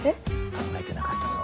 考えてなかっただろ。